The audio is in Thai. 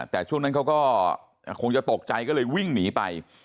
แต่ช่วงนั้นเขาก็คงจะตกใจก็เลยวิ่งหนีไป